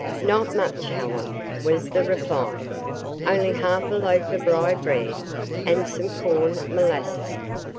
"Not much, Helen," was the reply. "Only a half a loaf of rye bread and some corn molasses.